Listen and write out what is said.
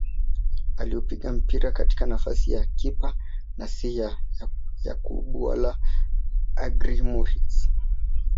Aliupiga mpira katika nafasi ya kipa na si ya Yakub wala Agrey Moris